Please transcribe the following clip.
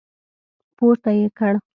پورته يې کړ.